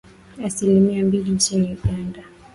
asilimia mbili nchini Uganda